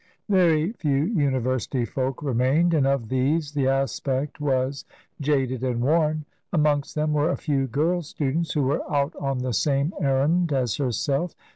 Very few University folk remained, and of these the aspect was jaded and worn. Amongst them were a few girl students who were out on the same errand as her self.